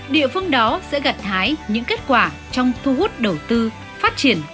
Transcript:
địa phương đó sẽ gặt hái những kết quả trong thu hút đầu tư phát triển